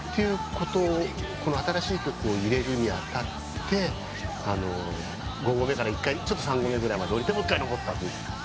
この新しい曲を入れるに当たって五合目から１回三合目ぐらいまで下りてもう１回登ったという。